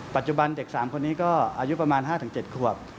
ปัจจุบันเด็ก๓คนนี้ก็อายุประมาณ๕๗ขวบ